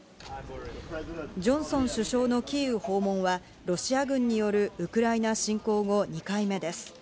ジョンソン首相のキーウ訪問はロシア軍によるウクライナ侵攻後、２回目です。